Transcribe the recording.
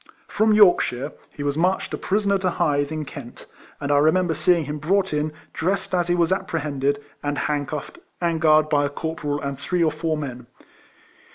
From Yorkshire he was marched a prisoner to Hythe, in Kent; and I remember seeing him brought in, dressed as he was appre hended, and handcuffed, and guarded by a corporal and three or four men.